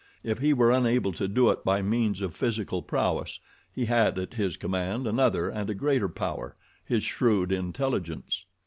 If he were unable to do it by means of physical prowess, he had at his command another and a greater power—his shrewd intelligence.